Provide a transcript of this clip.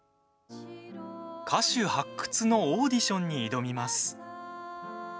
歌手発掘のオーディションに挑みます。